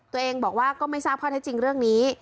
ตัวเองบอกว่าก็ไม่ทราบข้อเท็จจริงเรื่องนี้